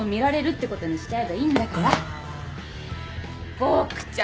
ボクちゃん